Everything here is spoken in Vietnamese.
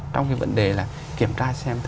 trong cái vấn đề là kiểm tra xem